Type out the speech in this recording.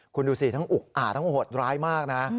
คุณดูสิทั้งอุกอาจทั้งโหดร้ายมากนะ